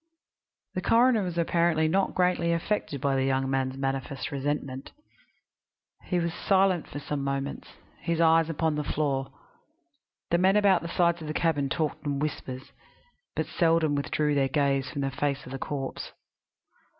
The coroner was apparently not greatly affected by the young man's manifest resentment. He was silent for some moments, his eyes upon the floor. The men about the sides of the cabin talked in whispers, but seldom withdrew their gaze from the face of the corpse.